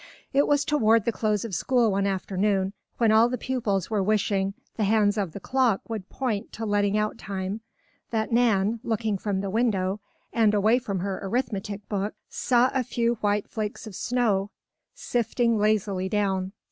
It was toward the close of school one afternoon, when all the pupils were wishing the hands of the clock would point to letting out time, that Nan, looking from the window, and away from her arithmetic book, saw a few white flakes of snow sifting lazily down.